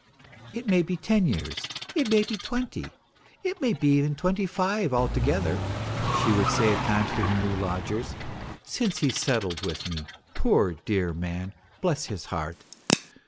" It may be ten years, it may be twenty, it may be even twenty five altogether," she would say at times to her new lodgers, " since he settled with me, poor dear man, bless his heart